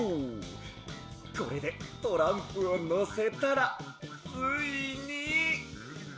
これでトランプをのせたらついに。